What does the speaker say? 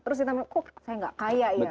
terus kita mikir kok saya nggak kaya ya